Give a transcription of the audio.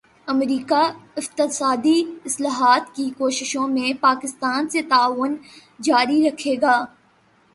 امریکا اقتصادی اصلاحات کی کوششوں میں پاکستان سے تعاون جاری رکھے گا